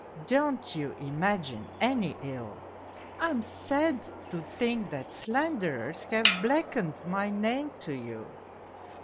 Don't you imagine any ill. I am sad to think that Icrcis have blackened my name to you.